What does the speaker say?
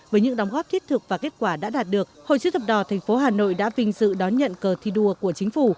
với những đóng góp thiết thực và kết quả đã đạt được hội chữ thập đỏ tp hà nội đã vinh dự đón nhận cờ thi đua của chính phủ